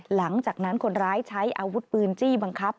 หลังจากนั้นคนร้ายใช้อาวุธปืนจี้บังคับ